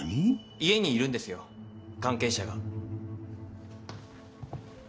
家にいるんですよ関係者が。